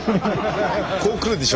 こう来るでしょ？